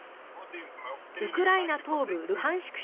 ウクライナ東部ルハンシク